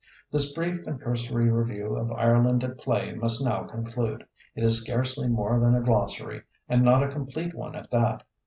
This brief and cursory review of Ireland at Play must now conclude. It is scarcely more than a glossary, and not a complete one at that.